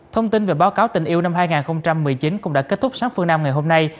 thông tin về báo cáo tình yêu năm hai nghìn một mươi chín cũng đã kết thúc sáng phương nam ngày hôm nay